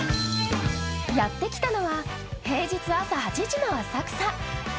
やってきたのは平日朝８時の浅草。